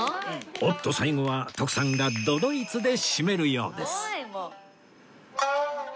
おっと最後は徳さんが都々逸でしめるようです